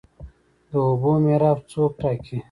د اوبو میراب څوک ټاکي؟